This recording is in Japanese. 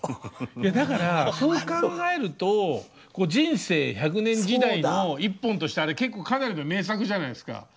いやだからそう考えると人生１００年時代の一本としてあれ結構かなりの名作じゃないですか。